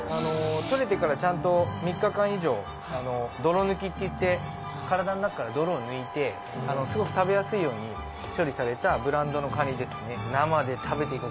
取れてからちゃんと３日間以上泥抜きっていって体の中から泥を抜いてすごく食べやすいように処理されたブランドのカニですね生で食べていこうかな。